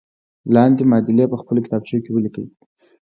لاندې معادلې په خپلو کتابچو کې ولیکئ.